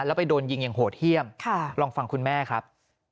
แล้วไปโดนยิงอย่างโหดเยี่ยมลองฟังคุณแม่ครับ